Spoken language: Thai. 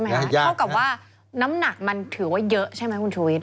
เท่ากับว่าน้ำหนักมันถือว่าเยอะใช่ไหมคุณชูวิท